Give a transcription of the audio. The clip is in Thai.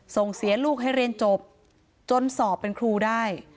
ส่งเสียลูกให้เรียนจบจนสอบเป็นครูได้